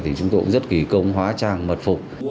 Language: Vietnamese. thì chúng tôi cũng rất kỳ công hóa trang mật phục